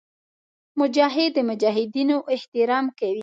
مجاهد د مجاهدینو احترام کوي.